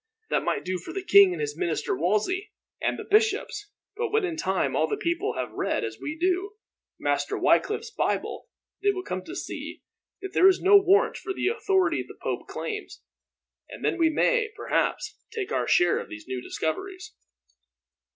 "That might do for the king, and his minister Wolsey, and the bishops; but when in time all the people have read, as we do, Master Wycliffe's Bible, they will come to see that there is no warrant for the authority the pope claims; and then we may, perhaps, take our share of these new discoveries."